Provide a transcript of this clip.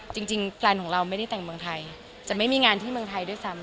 จริงแฟนของเราไม่ได้แต่งเมืองไทยจะไม่มีงานที่เมืองไทยด้วยซ้ำ